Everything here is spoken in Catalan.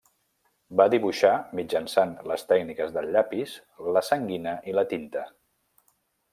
Va dibuixar mitjançant les tècniques del llapis, la sanguina i la tinta.